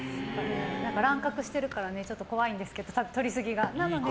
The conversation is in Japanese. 乱獲してるからちょっと怖いんですけどとりすぎが。